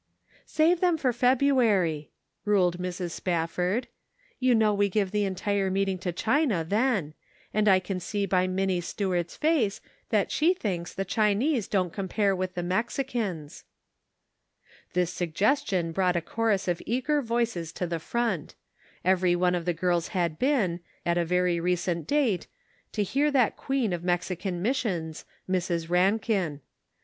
"Save them for February," ruled Mrs. Spafford ;" you know we give the entire meeting to China then; and I can see by Minnie Stuart's face that she thinks the Chinese don't compare with the Mexicans." This suggestion brought a chorus of eager 492 The Pocket Measure. voices to the front. Every one of the girls had been, at a very recent date, to hear that queen of Mexican missions, Miss Rankin.